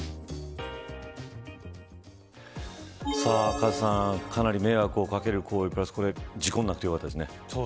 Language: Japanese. カズさん、かなり迷惑をかける行為事故がなくてよかったですね。